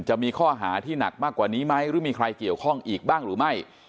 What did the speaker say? จะมีข้อหาที่หนักมากกว่านี้ไหมหรือมีใครเกี่ยวข้องอีกบ้างหรือไม่